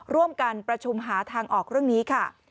ร่วมกันประชุมหาทางออกเรื่องนี้ค่ะ